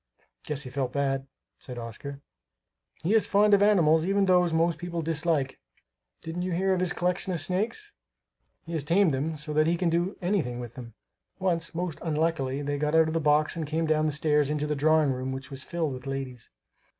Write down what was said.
'" "Guess he felt bad," said Oscar. "He is fond of animals, even those most people dislike. Didn't you hear of his collection of snakes? He has tamed them so that he can do anything with them. Once, most unluckily, they got out of the box and came down stairs into the drawing room which was filled with ladies."